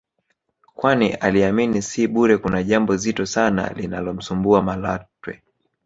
kwani aliamini si bure kuna jambo zito sana linalomsumbua Malatwe